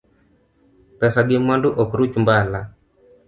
Pesa gi mwandu ok ruch mbala.